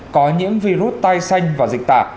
có nhiễm virus tai xanh và dịch tả